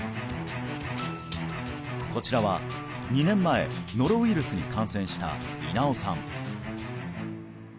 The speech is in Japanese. こちらは２年前ノロウイルスに感染した稲尾さん